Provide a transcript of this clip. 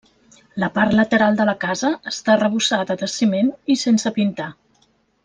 La part lateral de la casa està arrebossada de ciment i sense pintar.